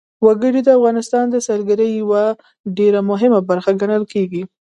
وګړي د افغانستان د سیلګرۍ یوه ډېره مهمه برخه ګڼل کېږي.